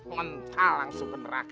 mentah langsung ke neraka